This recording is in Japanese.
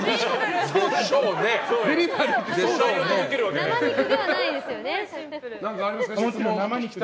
生肉ではないんですよね。